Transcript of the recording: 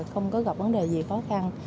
không có gặp vấn đề gì khó khăn